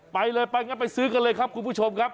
ไปเลยไปงั้นไปซื้อกันเลยครับคุณผู้ชมครับ